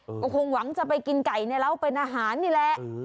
ก็คงหวังจะไปกินไก่ในเล้าเป็นอาหารนี่แหละ